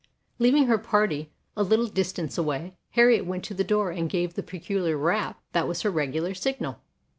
Leaving her party a little distance away Harriet went to the door and gave the pe culiar rap that was her regular signal.